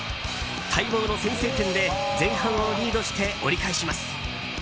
待望の先制点で前半をリードして折り返します。